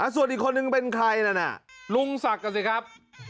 ส่วนอีกคนนึงเป็นใครนั่นน่ะลุงศักดิ์กันสิครับ